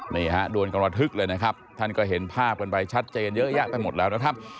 นี่ฮะโดนกระทึกเลยนะครับท่านก็เห็นภาพกันไปชัดเจนเยอะแยะไปหมดแล้วนะครับ